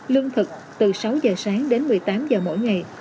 lương thực từ sáu h sáng đến một mươi tám h mỗi ngày